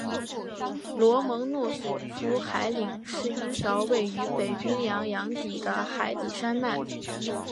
罗蒙诺索夫海岭是一条位于北冰洋洋底的海底山脉。